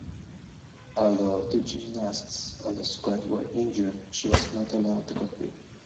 Although two gymnasts on the squad were injured, she was not allowed to compete.